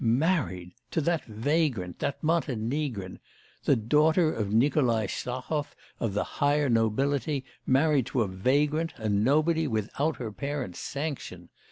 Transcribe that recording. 'Married! To that vagrant, that Montenegrin! the daughter of Nikolai Stahov of the higher nobility married to a vagrant, a nobody, without her parents' sanction!